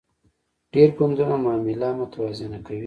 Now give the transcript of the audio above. ډیر ګوندونه معامله متوازنه کوي